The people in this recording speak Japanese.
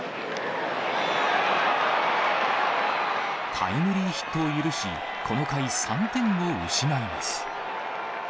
タイムリーヒットを許し、この回、３点を失います。